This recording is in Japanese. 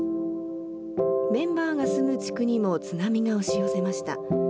メンバーが住む地区にも津波が押し寄せました。